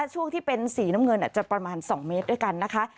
ช่วงที่เป็นสีน้ำเงินอาจจะประมาณ๒เมตรด้วยกันนะคะ